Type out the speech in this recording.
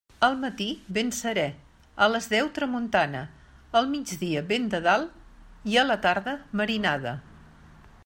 Al matí, vent serè; a les deu, tramuntana; al migdia, vent de dalt; i a la tarda, marinada.